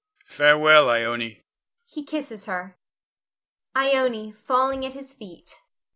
Farewell, Ione! [He kisses her.] Ione [falling at his feet].